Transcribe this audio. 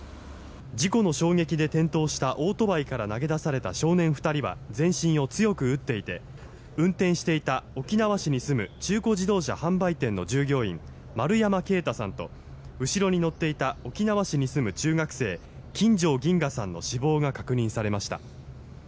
事故の衝撃で転倒したオートバイから投げ出された少年２人は全身を強く打っていて運転していた、沖縄市に住む中古自動車販売店の従業員丸山啓太さんと後ろに乗っていた沖縄市に住む中学生金城銀河さんの死亡が確認されました。